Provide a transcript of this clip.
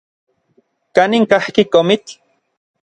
¿Kanin kajki komitl?